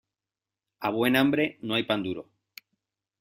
A buen hambre no hay pan duro.